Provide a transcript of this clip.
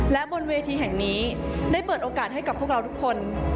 และบนเวทีแห่งนี้ได้เปิดโอกาสให้กับพวกเราทุกคน